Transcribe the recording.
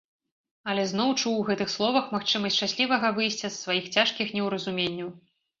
Але зноў чуў у гэтых словах магчымасць шчаслівага выйсця з сваіх цяжкіх неўразуменняў.